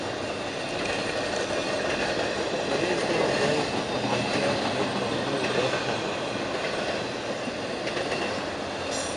ورے ساں در ہمیشہ ائی تانوں در ڇمائیم